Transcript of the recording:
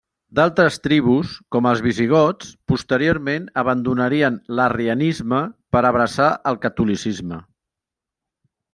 D'altres tribus, com els visigots, posteriorment abandonarien l'arrianisme per abraçar el catolicisme.